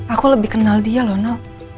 aku lebih kenal dia loh nao